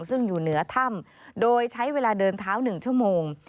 ซึ่งอยู่เหนือถ้ำโดยใช้เวลาเดินเท้า๑ชั่วโมง